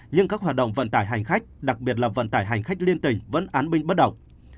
nhưng các hoạt động vận tải hành khách đặc biệt là vận tải hành khách liên tỉnh vẫn án binh bất động